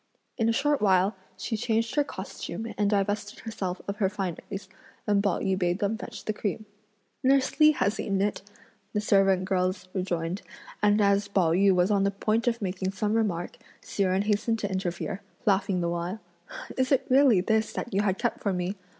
In a short while, she changed her costume and divested herself of her fineries, and Pao yü bade them fetch the cream. "Nurse Li has eaten it," the servant girls rejoined, and as Pao yü was on the point of making some remark Hsi Jen hastened to interfere, laughing the while; "Is it really this that you had kept for me?